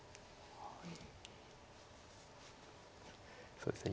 そうですね